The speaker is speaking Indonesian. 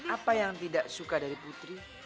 apa yang tidak suka dari putri